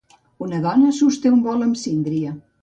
Una dona sosté un bol amb síndria.